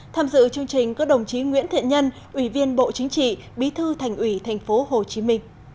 tham dự chương trình có đồng chí nguyễn thiện nhân ủy viên bộ chính trị bí thư thành ủy tp hcm